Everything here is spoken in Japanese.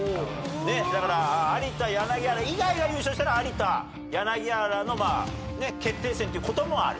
だから有田柳原以外が優勝したら有田柳原の決定戦っていうこともある。